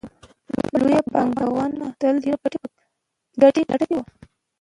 لوی پانګوال تل د ډېرې ګټې په لټه کې وي